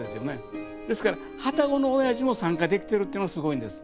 ですから旅籠のおやじも参加できてるっていうのがすごいんです。